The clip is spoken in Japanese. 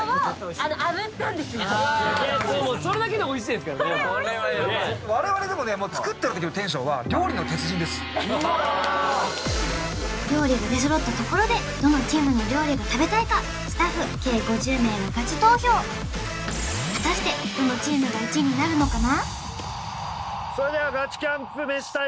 これおいしい我々でもねもう料理が出そろったところでどのチームの料理が食べたいかスタッフ計５０名がガチ投票果たしてどのチームが１位になるのかな？